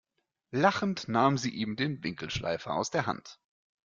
Lachend nahm sie ihm den Winkelschleifer aus der Hand.